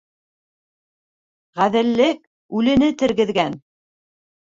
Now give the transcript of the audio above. Ғәҙеллек үлене тергеҙгән.